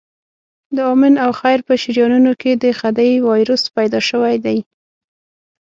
د آمن او خیر په شریانونو کې د خدۍ وایروس پیدا شوی دی.